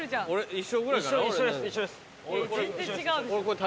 一緒です。